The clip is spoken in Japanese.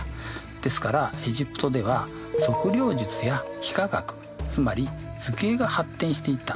ですからエジプトでは測量術や幾何学つまり図形が発展していったというわけですね。